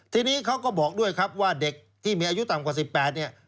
ทีนี้เขาก็บอกด้วยครับว่าเด็กที่มีอายุต่ำกว่า๑๘เนี่ย